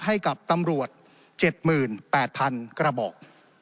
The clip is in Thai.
ให้กับตำรวจ๗๘๐๐๐กระบอก